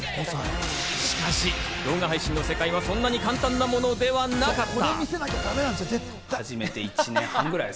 しかし動画配信の世界はそんなに簡単なものではなかった。